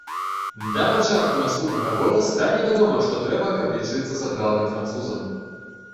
Да пачатку наступнага года стане вядома, што трэба, каб лічыцца сапраўдным французам.